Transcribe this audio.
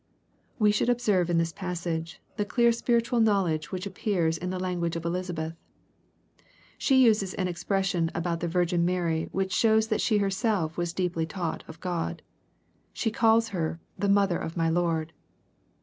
We should observe in this passage, the clear spiritual knowledge which appears in the language of Elisabeth. She uses an expression about the Virgin Mary which shows that she herself was deeply taught of God, She calls her " the mother of my Lord."